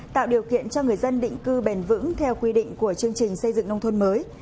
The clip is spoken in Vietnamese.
tạo điều kiện cho người dân định cư bền vững theo quy định của chương trình xây dựng nông thôn mới